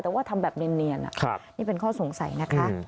แต่ว่าทำแบบเนียนเนียนน่ะครับนี่เป็นข้อสงสัยนะคะอืม